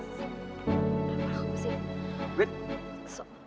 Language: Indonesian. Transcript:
gapapa aku mesti